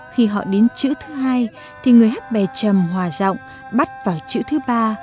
khi họ đến chữ thứ hai thì người hát bè trầm hòa giọng bắt vào chữ thứ ba